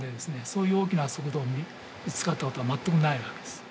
そういう大きな速度が見つかったことは全くないわけです。